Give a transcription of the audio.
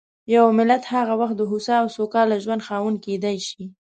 یو ملت هغه وخت د هوسا او سوکاله ژوند خاوند کېدای شي.